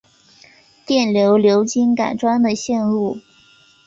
电流流经改装的线路